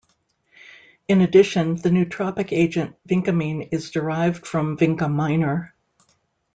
In addition, the nootropic agent vincamine is derived from "Vinca minor".